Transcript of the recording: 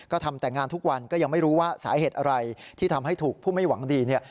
ก็ทำแต่งานทุกวันก็ยังไม่รู้ว่าสาเหตุอะไรที่ทำให้ถูกผู้ไม่หวังดีเนี่ย